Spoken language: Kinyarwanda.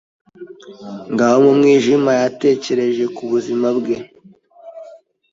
Ngaho mu mwijima, yatekereje ku buzima bwe.